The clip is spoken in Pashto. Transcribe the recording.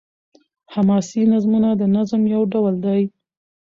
حماسي نظمونه د نظم يو ډول دﺉ.